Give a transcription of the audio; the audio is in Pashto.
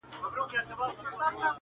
غلیم کور په کور حلوا وېشل پښتونه،